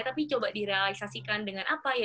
tapi coba direalisasikan dengan apa ya